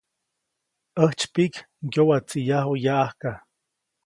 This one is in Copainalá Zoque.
‒ʼäjtsypiʼk ŋgyowatsiʼyaju yaʼajka-.